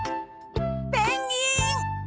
ペンギン！